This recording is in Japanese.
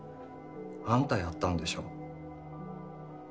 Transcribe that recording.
あんたやったんでしょ？